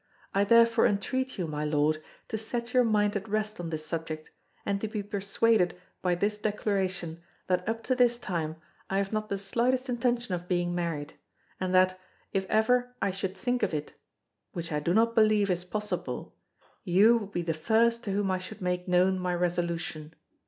I therefore entreat you, my lord, to set your mind at rest on this subject, and to be persuaded by this declaration that up to this time I have not the slightest intention of being married, and, that if ever I should think of it (which I do not believe is possible) you would be the first to whom I should make known my resolution."